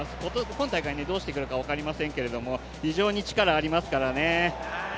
今大会、どうしてくるか分かりませんけれども非常に力がありますからね。